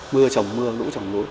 mưa chồng mưa lũ chồng núi